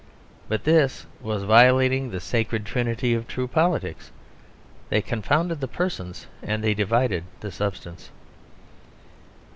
But this was violating the sacred trinity of true politics; they confounded the persons and they divided the substance.